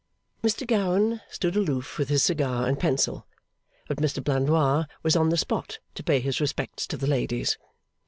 Mr Gowan stood aloof with his cigar and pencil, but Mr Blandois was on the spot to pay his respects to the ladies.